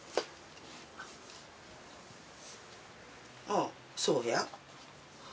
ああそうや。